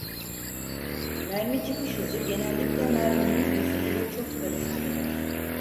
Mermi çıkış hızı genellikle merminin hızı ile çok karıştırılır.